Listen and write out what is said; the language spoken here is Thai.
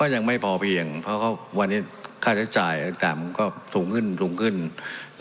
ยังไม่พอเพียงเพราะวันนี้ค่าใช้จ่ายต่างมันก็สูงขึ้นสูงขึ้น